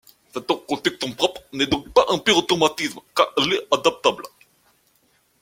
Cette construction propre n'est donc pas un pur automatisme car elle est adaptable.